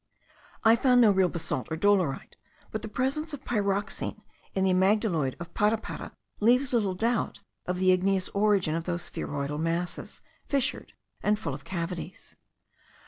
I found no real basalt or dolerite; but the presence of pyroxene in the amygdaloid of Parapara leaves little doubt of the igneous origin of those spheroidal masses, fissured, and full of cavities.